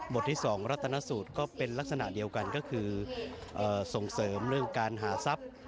ที่๒รัฐนสูตรก็เป็นลักษณะเดียวกันก็คือส่งเสริมเรื่องการหาทรัพย์